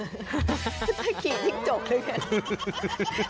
ถ้าขี่ทิ้งจกแล้วกัน